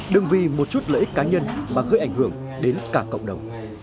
đừng vì một chút lợi ích cá nhân mà gây ảnh hưởng đến cả cộng đồng